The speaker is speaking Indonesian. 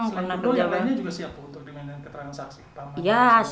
selain itu yang lainnya juga siap untuk dengan keterangan saksi